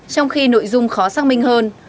trong khi nội dung khó xác minh hơn